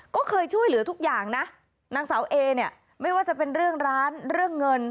ก็เคยช่วยเหลือทุกอย่างนะนางสาวเอเนี่ยไม่ว่าจะเป็นเรื่องร้านเรื่องเงิน